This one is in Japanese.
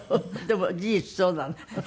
でも事実そうなの？